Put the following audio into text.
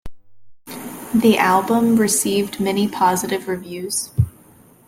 The album received many positive reviews.